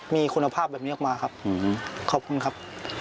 มีคุณภาพแบบนี้ออกมาครับขอบคุณครับ